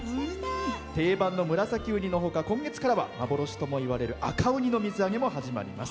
定番のムラサキウニのほか今月からは幻ともいわれる赤ウニの水揚げも始まります。